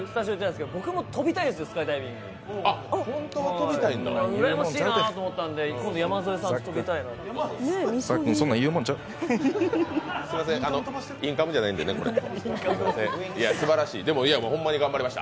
うらやましいなと思ったんで、今度山添さと飛びたいなと思って。